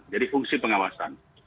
jadi fungsi pengawasan